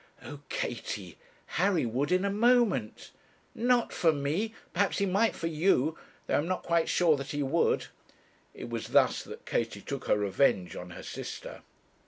'Oh, Katie! Harry would in a moment.' 'Not for me; perhaps he might for you though I'm not quite sure that he would.' It was thus that Katie took her revenge on her sister.